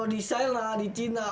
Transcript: kalau di sela di cina